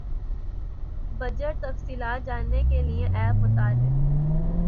budget تفصیلات جاننے کیلئے ایپ متعارف